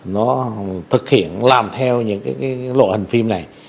nó thực hiện làm theo những cái lộ hình phim này